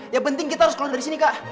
yang penting kita harus keluar dari sini kak